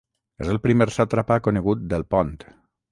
És el primer sàtrapa conegut del Pont.